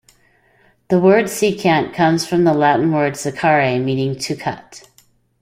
The word "secant" comes from the Latin word "secare", meaning "to cut".